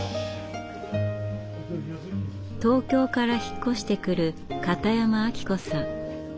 東京から引っ越してくる片山明子さん。